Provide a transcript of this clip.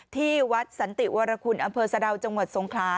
ที่วัดสันติวรคุณอำเภอสะดาวจังหวัดสงขลา